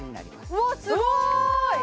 すごーい！